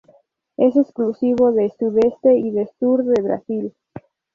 Es exclusivo del sudeste y sur del Brasil.